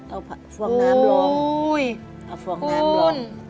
เอาฟองน้ำลอง